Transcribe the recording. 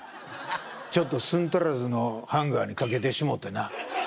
「ちょっと寸足らずのハンガーにかけてしもうてな」